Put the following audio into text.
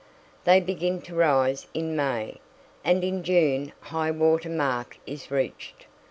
They begin to rise in May, and in June high water mark is reached.